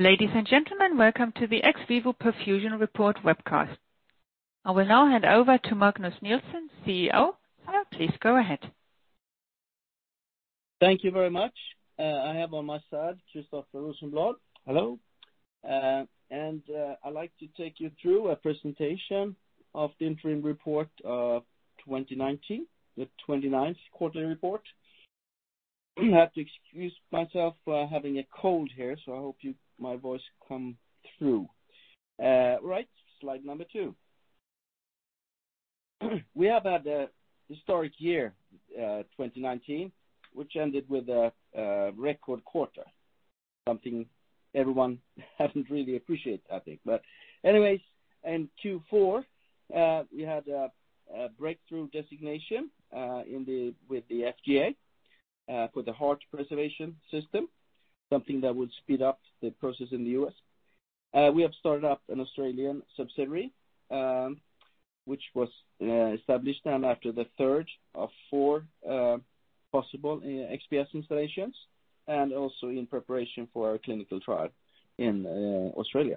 Ladies and gentlemen, welcome to the XVIVO Perfusion Report Webcast. I will now hand over to Magnus Nilsson, CEO. Please go ahead. Thank you very much. I have on my side, Christoffer Rosenblad. Hello. I'd like to take you through a presentation of the interim report of 2019, the 29th quarterly report. You have to excuse myself, for having a cold here, I hope my voice comes through. Right. Slide number two. We have had a historic year, 2019, which ended with a record quarter. Something everyone hasn't really appreciated, I think. Anyways, in Q4, we had a breakthrough designation with the FDA for the heart preservation system, something that would speed up the process in the U.S.. We have started up an Australian subsidiary, which was established after the third of four possible XPS installations, and also in preparation for our clinical trial in Australia.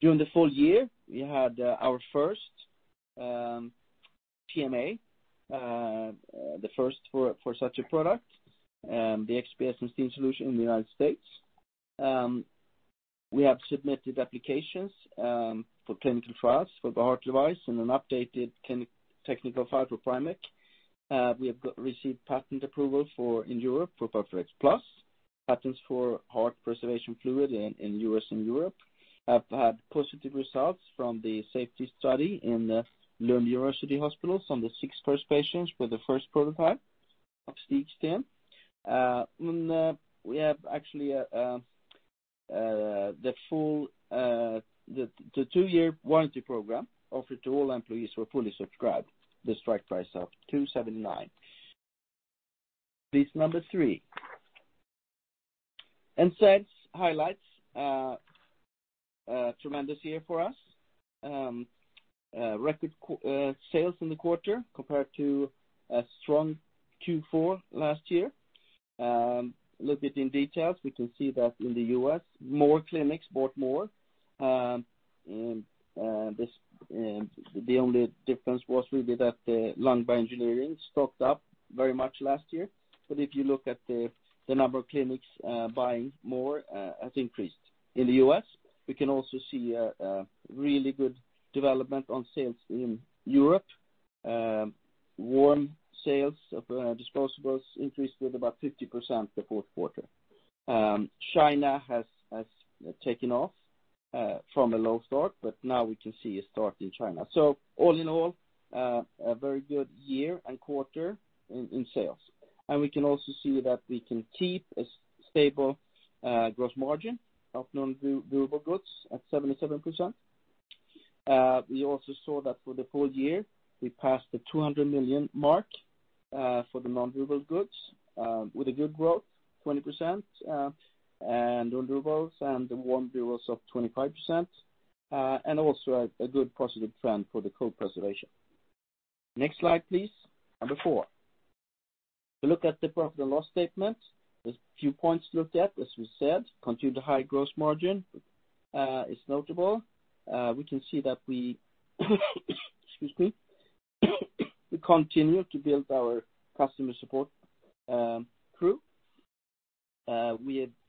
During the full year, we had our first PMA. The first for such a product, the XPS and STEEN Solution in the United States. We have submitted applications for clinical trials for the heart device and an updated technical file for PrimECC. We have received patent approval in Europe for PERFADEX Plus, patents for heart preservation fluid in U.S. and Europe, and have had positive results from the safety study in Skåne University Hospital on the six first patients with the first prototype of Stage Stem. We have actually the two-year warranty program offered to all employees who are fully subscribed. The strike price of 279. Please, number three. Sales highlights. A tremendous year for us. Record sales in the quarter compared to a strong Q4 last year. A little bit in details, we can see that in the U.S., more clinics bought more. The only difference was really that the Lung Bioengineering stocked up very much last year. If you look at the number of clinics buying more, has increased. In the U.S., we can also see a really good development on sales in Europe. Warm sales of disposables increased with about 50% the fourth quarter. China has taken off from a low start. Now we can see a start in China. All in all, a very good year and quarter in sales. We can also see that we can keep a stable gross margin of non-durable goods at 77%. We also saw that for the full year, we passed the 200 million mark for the non-durable goods with a good growth, 20%, and durables and warm durables up 25%. Also a good positive trend for the cold preservation. Next slide, please. Number four. If you look at the profit and loss statement, there's a few points looked at, as we said. Continued high gross margin is notable. We can see that we, excuse me, continue to build our customer support crew.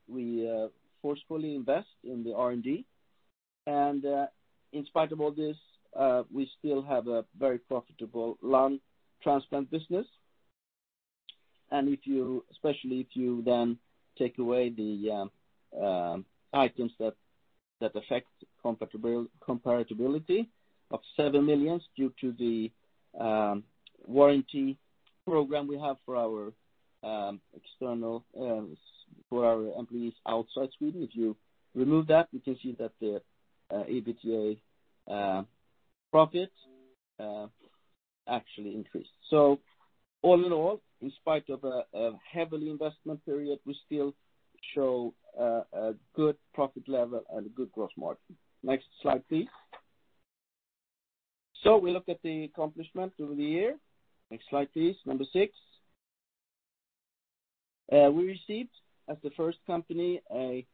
We forcefully invest in the R&D. In spite of all this, we still have a very profitable lung transplant business. Especially if you then take away the items that affect compatibility of 7 million due to the warranty program we have for our employees outside Sweden. If you remove that, you can see that the EBITDA profit actually increased. All in all, in spite of a heavy investment period, we still show a good profit level and a good gross margin. Next slide, please. We look at the accomplishment through the year. Next slide, please. Number 6. We received, as the first company, a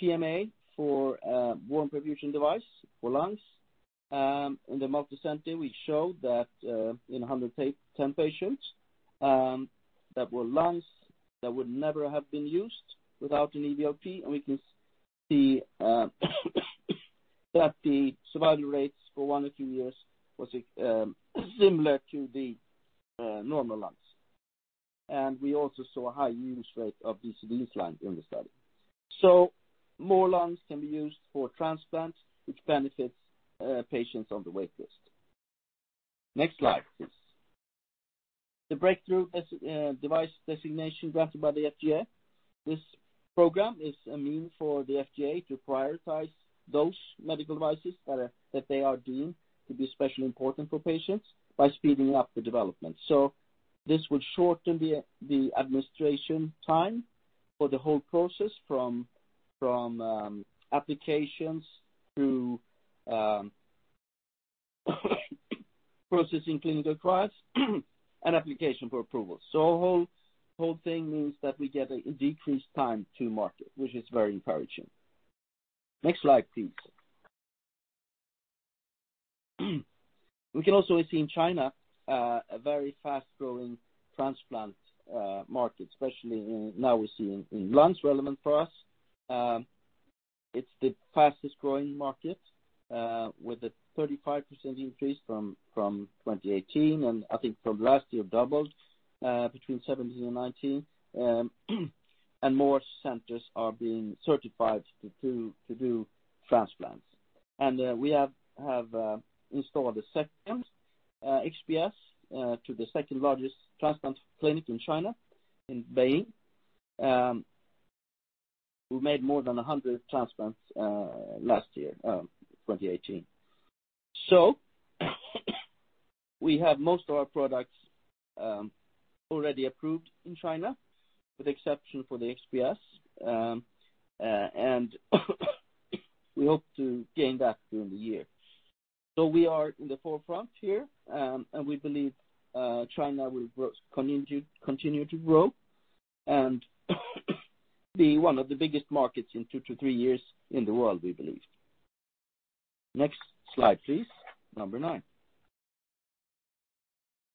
PMA for warm perfusion device for lungs. In the multicenter, we showed that in 110 patients, that were lungs that would never have been used without an EVLP. We can see that the survival rates for one or two years was similar to the normal lungs. We also saw a high use rate of these lungs in the study. More lungs can be used for transplants, which benefits patients on the waitlist. Next slide, please. The Breakthrough Device Designation granted by the FDA. This program is a means for the FDA to prioritize those medical devices that they are deemed to be especially important for patients by speeding up the development. This would shorten the administration time for the whole process from applications to processing clinical trials and application for approval. The whole thing means that we get a decreased time to market, which is very encouraging. Next slide, please. We can also see in China, a very fast-growing transplant market, especially now we see in lungs relevant for us. It's the fastest growing market, with a 35% increase from 2018. I think from last year doubled, between 2017 and 2019. More centers are being certified to do transplants. We have installed the second XPS to the second-largest transplant clinic in China, in Beijing. We made more than 100 transplants last year, 2018. We have most of our products already approved in China, with the exception for the XPS. We hope to gain that during the year. We are in the forefront here, and we believe China will continue to grow and be one of the biggest markets in two to three years in the world, we believe. Next slide, please. Number nine.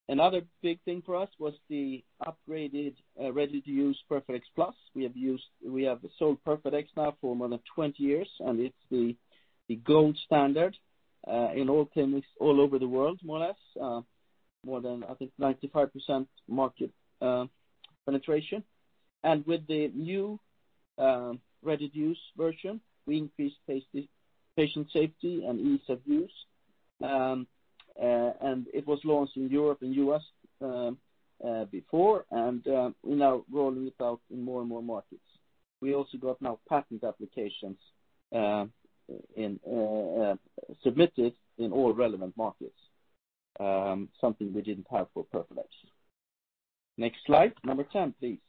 Another big thing for us was the upgraded ready-to-use PERFADEX Plus. We have sold PERFADEX now for more than 20 years. It's the gold standard in all clinics all over the world, more or less, more than, I think, 95% market penetration. With the new ready-to-use version, we increased patient safety and ease of use. It was launched in Europe and U.S. before and we're now rolling it out in more and more markets. We also got now patent applications submitted in all relevant markets. Something we didn't have for PERFADEX. Next slide, number 10, please.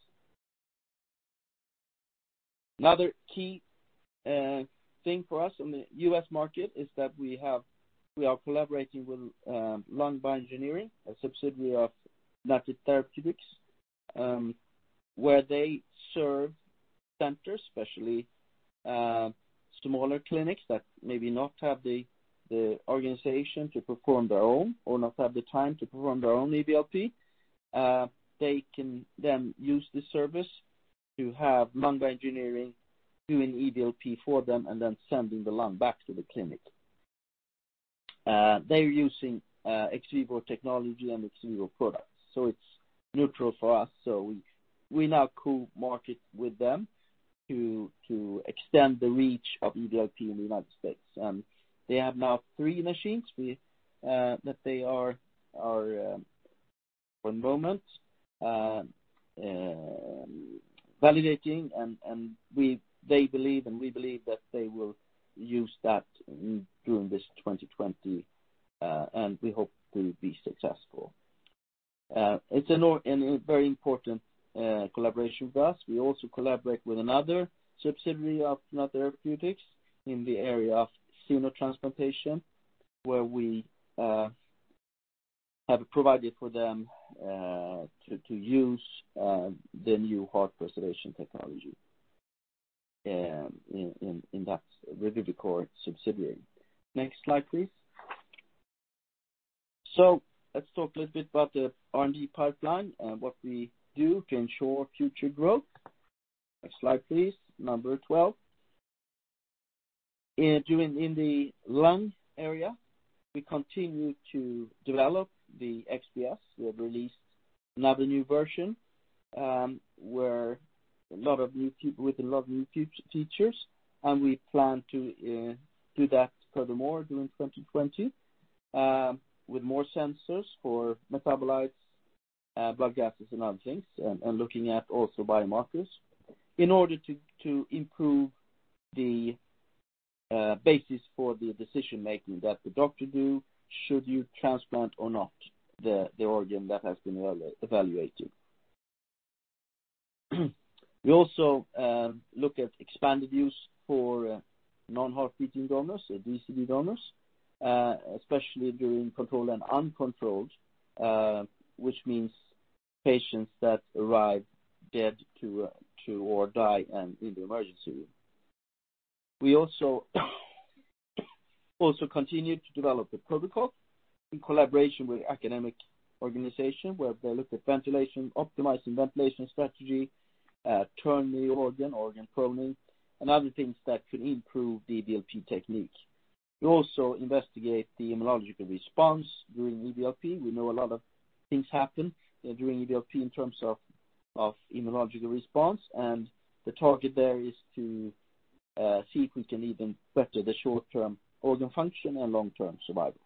Another key thing for us in the U.S. market is that we are collaborating with Lung Bioengineering, a subsidiary of United Therapeutics, where they serve centers, especially smaller clinics that maybe not have the organization to perform their own or not have the time to perform their own EVLP. They can then use this service to have Lung Bioengineering doing EVLP for them and then sending the lung back to the clinic. They're using ex vivo technology and ex vivo products. It's neutral for us. We now co-market with them to extend the reach of EVLP in the United States. They have now three machines that they are, for the moment, validating and they believe and we believe that they will use that during this 2020. We hope to be successful. It's a very important collaboration with us. We also collaborate with another subsidiary of United Therapeutics in the area of xenotransplantation, where we have provided for them to use the new heart preservation technology in that Revivicor subsidiary. Next slide, please. Let's talk a little bit about the R&D pipeline and what we do to ensure future growth. Next slide, please. Number 12. In the lung area, we continue to develop the XPS. We have released another new version with a lot of new features, and we plan to do that furthermore during 2020, with more sensors for metabolites, blood gases, and other things, and looking at also biomarkers in order to improve the basis for the decision-making that the doctor do. Should you transplant or not the organ that has been evaluated? We also look at expanded use for non-heart beating donors, DCD donors, especially during controlled and uncontrolled, which means patients that arrive dead to or die in the emergency room. We also continue to develop the protocol in collaboration with academic organization, where they look at ventilation, optimizing ventilation strategy, turn the organ pruning, and other things that could improve the EVLP technique. We also investigate the immunological response during EVLP. We know a lot of things happen during EVLP in terms of immunological response. The target there is to see if we can even better the short-term organ function and long-term survival.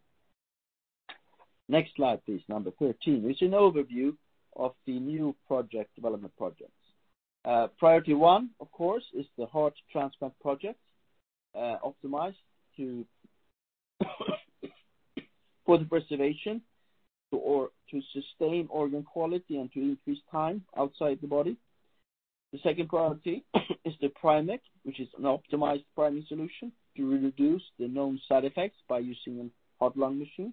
Next slide, please. Number 13. It's an overview of the new development projects. Priority one, of course, is the heart transplant project, optimized for the preservation to sustain organ quality and to increase time outside the body. The second priority is the PrimECC, which is an optimized priming solution to reduce the known side effects by using a heart-lung machine.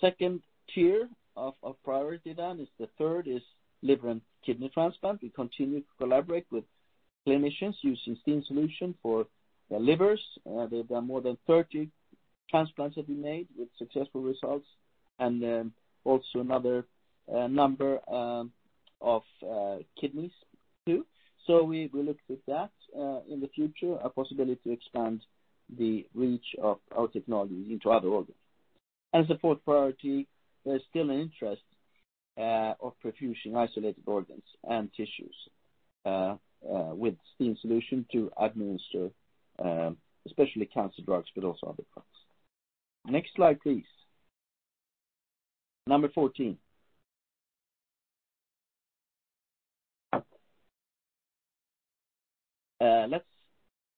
Second tier of priority, the third is liver and kidney transplant. We continue to collaborate with clinicians using STEEN Solution for the livers. There have been more than 30 transplants that we made with successful results. Also another number of kidneys too. We look at that in the future, a possibility to expand the reach of our technology into other organs. The fourth priority, there is still an interest of perfusion isolated organs and tissues with STEEN Solution to administer, especially cancer drugs but also other drugs. Next slide, please. Number 14. Let's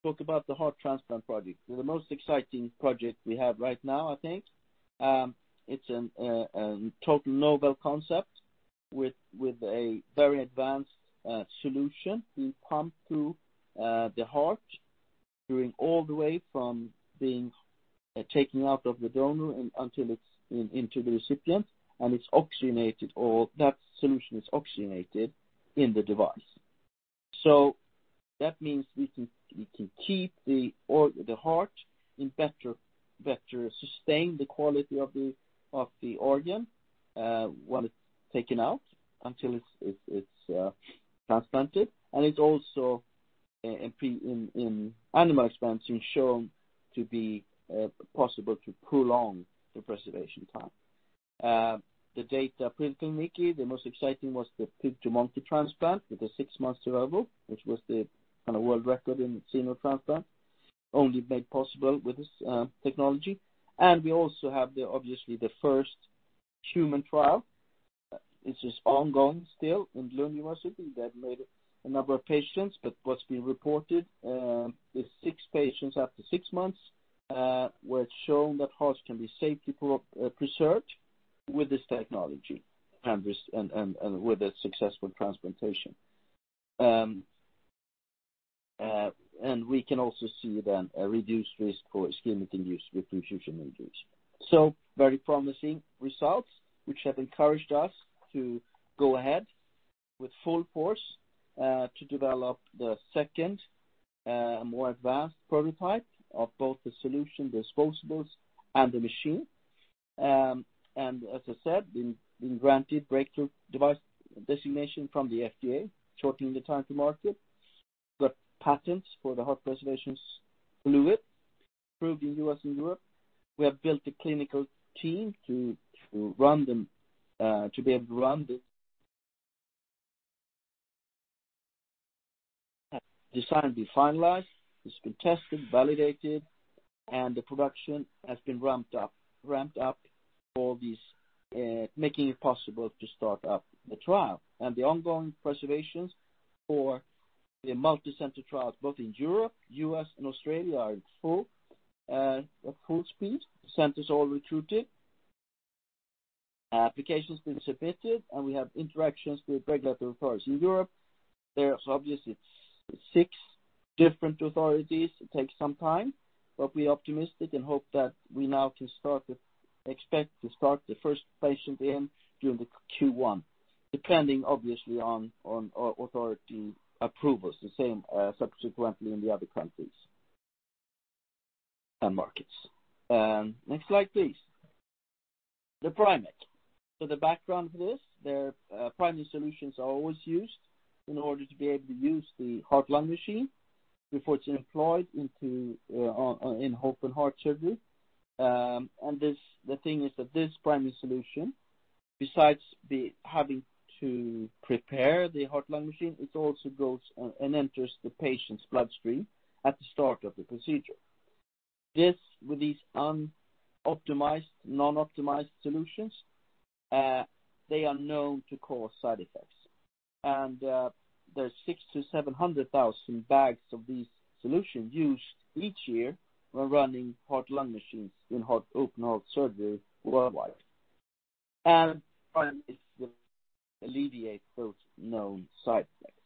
talk about the heart transplant project. The most exciting project we have right now, I think. It's a total novel concept with a very advanced solution. We pump through the heart during all the way from being taken out of the donor until it's into the recipient, and it's oxygenated, or that solution is oxygenated in the device. That means we can keep the heart in better sustain the quality of the organ when it's taken out until it's transplanted. It's also, in animal experiments, been shown to be possible to prolong the preservation time. The data preclinically, the most exciting was the pig-to-monkey transplant with a six months survival, which was the kind of world record in xenotransplant, only made possible with this technology. We also have, obviously, the first human trial, which is ongoing still in Lund University. They had made a number of patients, but what's been reported is six patients after six months, where it's shown that hearts can be safely preserved with this technology and with a successful transplantation. We can also see then a reduced risk for ischemia use with perfusion reduced. Very promising results, which have encouraged us to go ahead with full force to develop the second, more advanced prototype of both the solution, disposables, and the machine. As I said, been granted breakthrough device designation from the FDA, shortening the time to market. Got patents for the heart preservations fluid approved in U.S. and Europe. We have built a clinical team to be able to run the Design be finalized, it's been tested, validated, and the production has been ramped up for these, making it possible to start up the trial. The ongoing preservations for the multicenter trials, both in Europe, U.S., and Australia, are in full speed. Centers all recruited. Applications been submitted, and we have interactions with regulatory authorities in Europe. There are obviously six different authorities. It takes some time, but we are optimistic and hope that we now can expect to start the first patient in during the Q1, depending, obviously, on authority approvals. The same subsequently in the other countries and markets. Next slide, please. The PrimECC. The background for this, their priming solutions are always used in order to be able to use the heart-lung machine before it's employed in open heart surgery. The thing is that this priming solution, besides having to prepare the heart-lung machine, it also goes and enters the patient's bloodstream at the start of the procedure. With these non-optimized solutions, they are known to cause side effects. There are 600,000-700,000 bags of these solutions used each year when running heart-lung machines in open heart surgery worldwide. PrimECC alleviate those known side effects.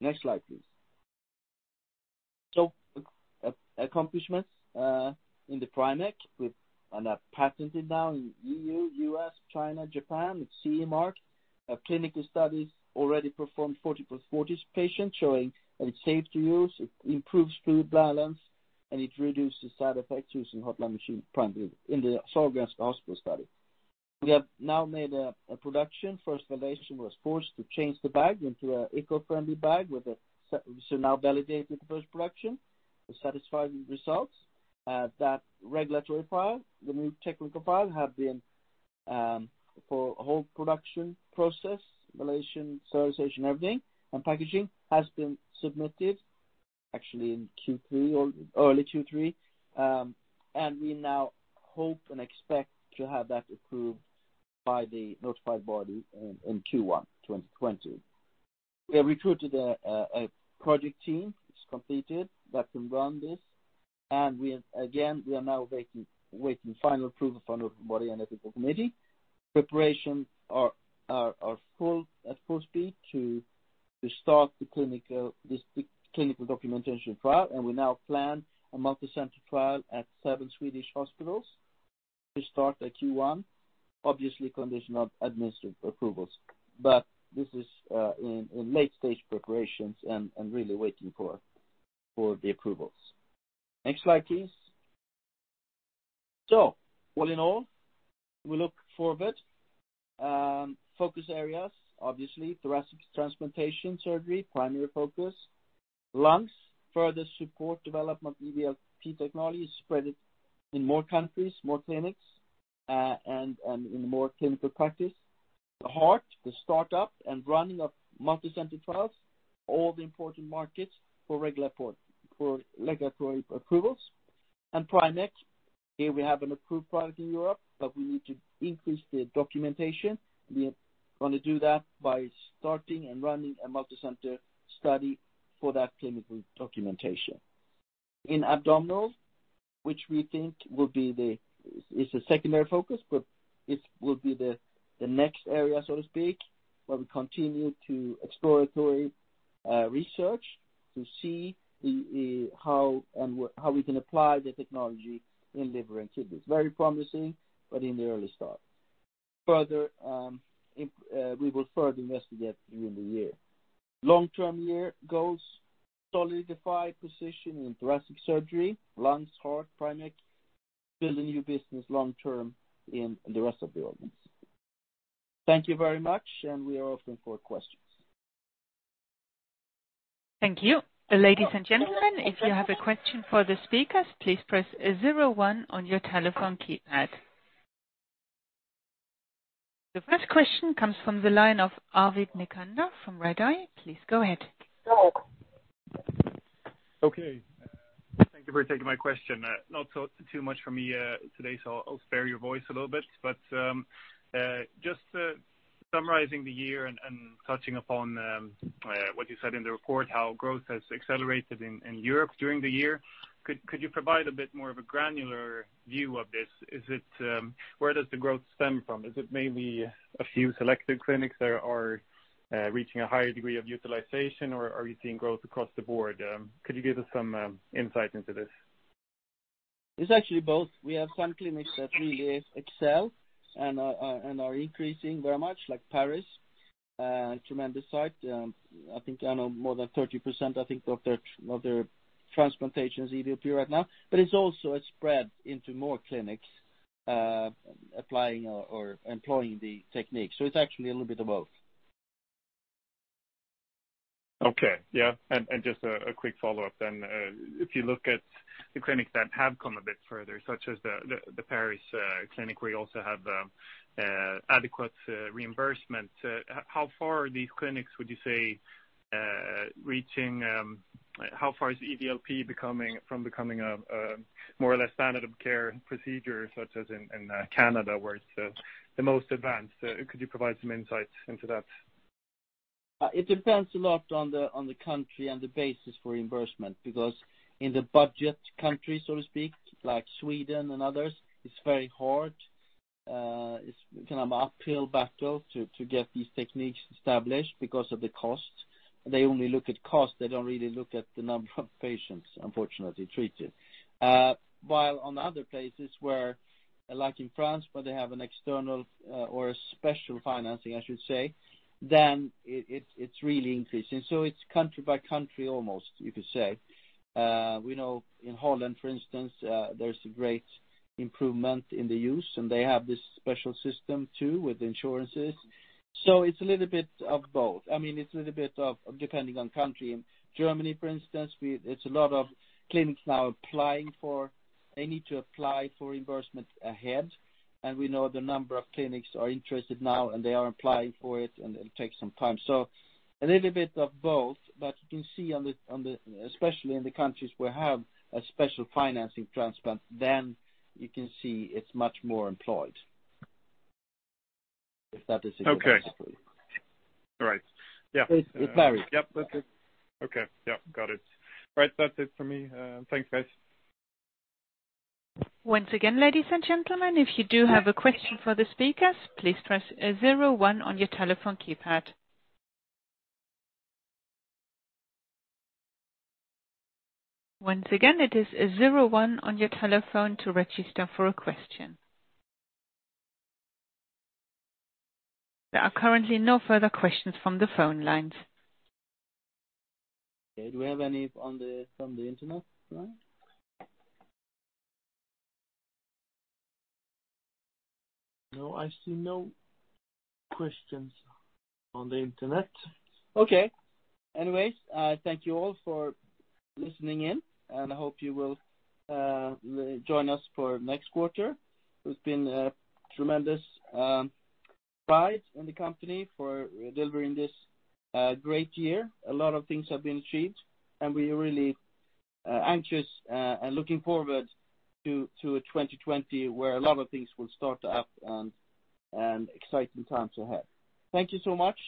Next slide, please. Accomplishments in the PrimECC, are patented now in EU, U.S., China, Japan, and CE mark. Clinical studies already performed 40 plus 40 patients showing that it's safe to use, it improves fluid balance, and it reduces side effects using heart-lung machine prime in the Sahlgrenska Hospital study. We have now made a production. First validation was forced to change the bag into an eco-friendly bag which are now validated first production with satisfying results. That regulatory file, the new technical file, for whole production process, validation, sterilization, everything, and packaging, has been submitted actually in early Q3. We now hope and expect to have that approved by the notified body in Q1 2020. We have recruited a project team, which is completed, that can run this. Again, we are now waiting final approval from the ethical committee. Preparation are full at full speed to start the clinical documentation trial, and we now plan a multicenter trial at seven Swedish hospitals to start at Q1, obviously conditional administrative approvals. This is in late-stage preparations and really waiting for the approvals. Next slide, please. All in all, we look forward. Focus areas, obviously thoracic transplantation surgery, primary focus. Lungs, further support development of EVLP technology, spread it in more countries, more clinics, and in more clinical practice. The heart, the startup and running of multicenter trials, all the important markets for regulatory approvals. PrimECC, here we have an approved product in Europe, but we need to increase the documentation. We are going to do that by starting and running a multicenter study for that clinical documentation. In abdominals, which we think is the secondary focus, but it will be the next area, so to speak, where we continue to exploratory research to see how we can apply the technology in liver and kidneys. Very promising, but in the early start. We will further investigate during the year. Long-term year goals, solidify position in thoracic surgery, lungs, heart, PrimECC, build a new business long term in the rest of the organs. Thank you very much, and we are open for questions. Thank you. Ladies and gentlemen, if you have a question for the speakers, please press zero one on your telephone keypad. The first question comes from the line of Arvid Necander from Redeye. Please go ahead. Okay. Thank you for taking my question. Not too much from me today, so I'll spare your voice a little bit. Just summarizing the year and touching upon what you said in the report, how growth has accelerated in Europe during the year. Could you provide a bit more of a granular view of this? Where does the growth stem from? Is it maybe a few selected clinics that are reaching a higher degree of utilization, or are you seeing growth across the board? Could you give us some insight into this? It's actually both. We have some clinics that really excel and are increasing very much, like Paris, tremendous site. I think more than 30%, I think, of their transplantation is EVLP right now. It's also spread into more clinics applying or employing the technique. It's actually a little bit of both. Okay. Yeah. Just a quick follow-up then. If you look at the clinics that have come a bit further, such as the Paris clinic, where you also have adequate reimbursement, how far are these clinics, would you say, reaching how far is EVLP from becoming a more or less standard of care procedure, such as in Canada, where it's the most advanced? Could you provide some insights into that? It depends a lot on the country and the basis for reimbursement, because in the budget countries, so to speak, like Sweden and others, it's very hard. It's an uphill battle to get these techniques established because of the cost. They only look at cost. They don't really look at the number of patients, unfortunately, treated. On other places where, like in France, where they have an external or special financing, I should say, it's really increasing. It's country by country almost, you could say. We know in Holland, for instance, there's a great improvement in the use, they have this special system too, with insurances. It's a little bit of both. It's a little bit of depending on country. In Germany, for instance, there's a lot of clinics now applying for they need to apply for reimbursement ahead. We know the number of clinics are interested now, and they are applying for it, and it takes some time. A little bit of both, but you can see, especially in the countries where have a special financing transplant, then you can see it's much more employed. If that is a good answer for you. Okay. All right. Yeah. It varies. Yep. Okay. Yep. Got it. Right. That's it for me. Thanks, guys. Once again, ladies and gentlemen, if you do have a question for the speakers, please press zero one on your telephone keypad. Once again, it is zero one on your telephone to register for a question. There are currently no further questions from the phone lines. Okay. Do we have any from the internet line? No, I see no questions on the internet. Okay. Anyways, thank you all for listening in, and I hope you will join us for next quarter. It's been a tremendous pride in the company for delivering this great year. A lot of things have been achieved, and we are really anxious and looking forward to 2020, where a lot of things will start up and exciting times ahead. Thank you so much.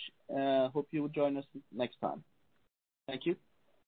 Hope you will join us next time. Thank you.